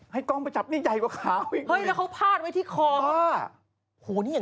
ให้กล้องมาจับนี่ใหญ่กว่าขาวอีกเลย